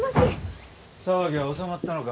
騒ぎは収まったのか？